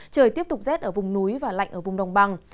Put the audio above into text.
trời tiếp tục rét ở vùng núi và lạnh ở vùng đồng bằng